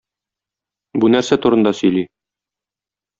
Бу нәрсә турында сөйли?